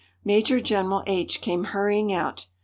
Major General H came hurrying out.